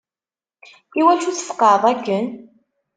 Iwacu tfeqeɛeḍ akken?